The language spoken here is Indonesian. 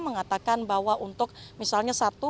mengatakan bahwa untuk misalnya satu